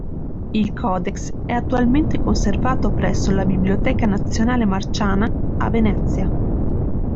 Il Codex è attualmente conservato presso la Biblioteca nazionale Marciana, a Venezia.